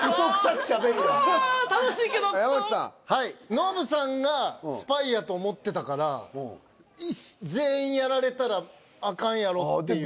ノブさんがスパイやと思ってたから全員やられたらあかんやろっていう。